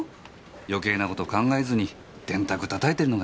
余計な事考えずに電卓たたいてんのが１番。